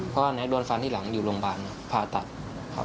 เพราะว่าแท็กโดนฟันที่หลังอยู่โรงพยาบาลผ่าตัดครับ